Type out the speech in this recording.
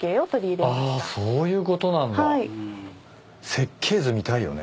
設計図見たいよね。